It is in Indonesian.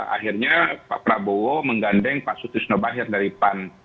akhirnya pak prabowo menggandeng pak sutrisnobahir dari pan